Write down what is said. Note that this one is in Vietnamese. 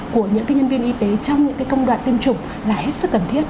của những cái nhân viên y tế trong những cái công đoạn tiêm chủng là hết sức cần thiết